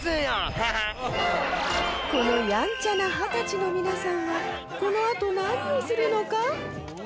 このヤンチャな二十歳の皆さんはこの後何をするのか？